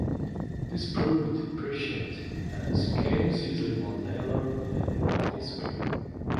This proved prescient, as Cairns easily won Lalor with a healthy swing.